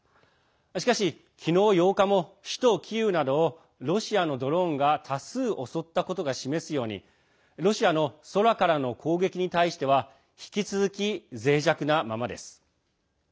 しかし、昨日８日も首都キーウなどをロシアのドローンが多数襲ったことが示すようにロシアの空からの攻撃に対しては引き続き、ぜい弱なままです。